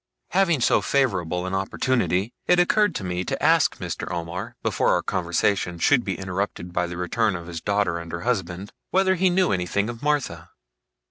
Having so favourable an opportunity, it occurred to me to ask Mr. Omer, before our conversation should be interrupted by the return of his daughter and her husband, whether he knew anything of Martha.